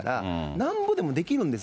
なんぼでもできるんです。